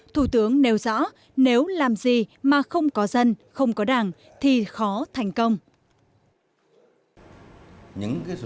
thủ tướng nêu rõ nếu làm gì mà không có dân không có đảng thì khó thành công